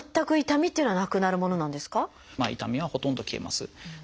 痛みはほとんど消えます。